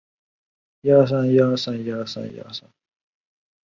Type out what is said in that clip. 当时任弼时被指定为苏区中央局成员之一。